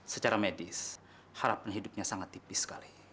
secara medis harapan hidupnya sangat tipis sekali